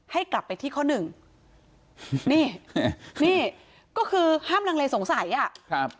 ให้กลับไปที่ข้อหนึ่งนี่นี่ก็คือห้ามลังเลสงสัยอ่ะครับ